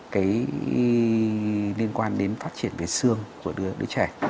cái liên quan đến phát triển về xương của đứa trẻ